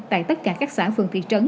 tại tất cả các xã phường thị trấn